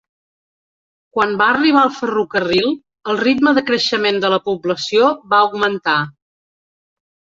Quan va arribar el ferrocarril, el ritme de creixement de la població va augmentar.